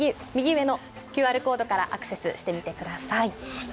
画面の右上のＱＲコードからアクセスしてみてください。